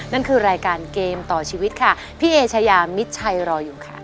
นั่นคือรายการเกมต่อชีวิตค่ะพี่เอชายามิดชัยรออยู่ค่ะ